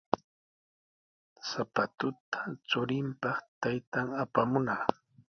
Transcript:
Sapatuta churinpaq taytan apamunaq.